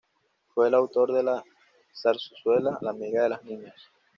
Fue el autor de la zarzuela "La Amiga de las Niñas".